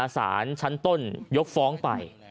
สารชั้นต้นยกฟ้องไป